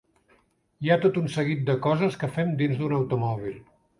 Hi ha tot un seguit de coses que fem dins d'un automòbil.